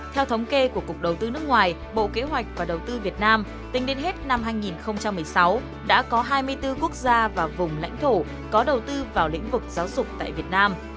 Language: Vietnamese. theo thống kê của cục đầu tư nước ngoài bộ kế hoạch và đầu tư việt nam tính đến hết năm hai nghìn một mươi sáu đã có hai mươi bốn quốc gia và vùng lãnh thổ có đầu tư vào lĩnh vực giáo dục tại việt nam